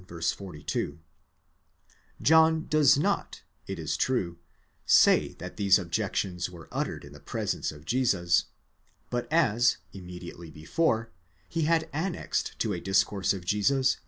42).® John does not, it is true, say that these objections were uttered in the presence. of Jesus ;!° but as, immediately before, he had annexed to a discourse of Jesus.